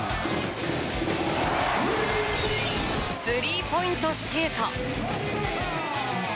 スリーポイントシュート！